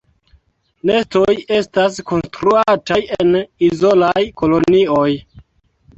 Nestoj estas konstruataj en izolaj kolonioj.